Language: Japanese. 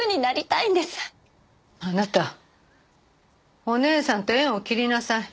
あなたお姉さんと縁を切りなさい。